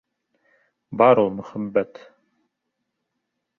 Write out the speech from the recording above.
Бар ул мөхәббәт.